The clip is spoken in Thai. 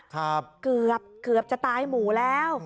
เกือบเกือบจะตายหมู่แล้ว